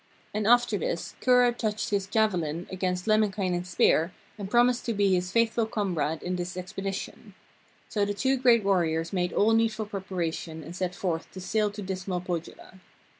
And after this Kura touched his javelin against Lemminkainen's spear and promised to be his faithful comrade in the expedition. So the two great warriors made all needful preparation and set forth to sail to dismal Pohjola.